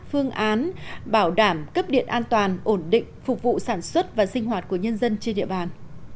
phương án bảo đảm cấp điện an toàn ổn định phục vụ sản xuất và sinh hoạt của nhân dân trên địa bàn